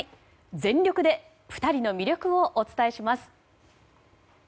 全力で２人の魅力をお伝えします。